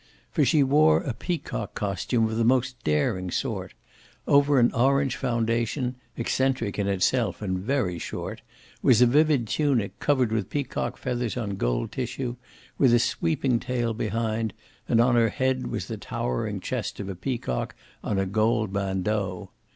For she wore a peacock costume of the most daring sort. Over an orange foundation, eccentric in itself and very short, was a vivid tunic covered with peacock feathers on gold tissue, with a sweeping tail behind, and on her head was the towering chest of a peacock on a gold bandeau.